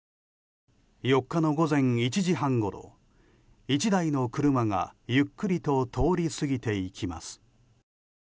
４日の午前１時半ごろ１台の車がゆっくりと通り過ぎていきます。